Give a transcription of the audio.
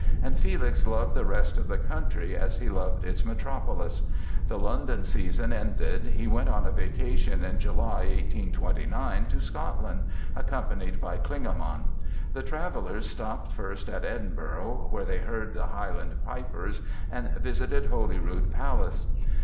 And Felix loved the rest of the country as he loved its metropolis. The London season ended, he went on a vacation in July, 1829, to Scotland, accompanied by Klingemann. The travelers stopped first at Edinburgh, where they heard the Highland Pipers and visited Holyrood Palace.